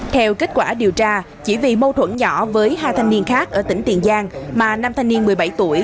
theo kết quả điều tra chỉ vì mâu thuẫn nhỏ với hai thanh niên khác ở tỉnh tiền giang mà năm thanh niên một mươi bảy tuổi